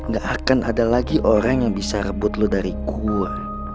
gak akan ada lagi orang yang bisa rebut lu dari gua